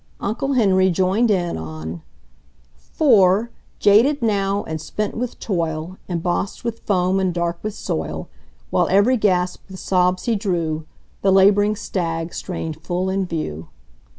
Uncle Henry joined in on For, jaded now and spent with toil, Embossed with foam and dark with soil, While every gasp with sobs he drew, The laboring stag strained full in view.